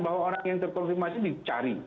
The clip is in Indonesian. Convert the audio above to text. bahwa orang yang terkonfirmasi dicari